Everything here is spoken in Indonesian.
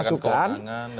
dan meletarkan keuangan